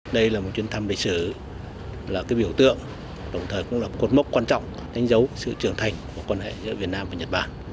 đây là một chuyến thăm lịch sử là biểu tượng đồng thời cũng là cột mốc quan trọng đánh dấu sự trưởng thành của quan hệ giữa việt nam và nhật bản